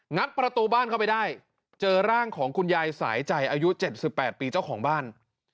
ัดประตูบ้านเข้าไปได้เจอร่างของคุณยายสายใจอายุ๗๘ปีเจ้าของบ้าน